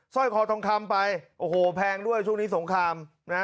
ร้อยคอทองคำไปโอ้โหแพงด้วยช่วงนี้สงครามนะ